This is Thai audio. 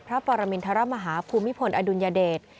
พระปรมินทรมาฮาภูมิพลอดุลยเดช